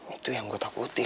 itu yang gua takuti sih